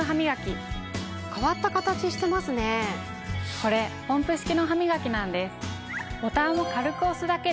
これポンプ式のハミガキなんです。